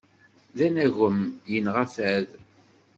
D anagem, yinɣa fad.